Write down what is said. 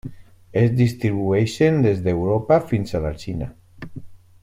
Es distribueixen des d'Europa fins a la Xina.